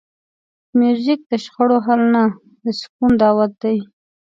موزیک د شخړو حل نه، د سکون دعوت دی.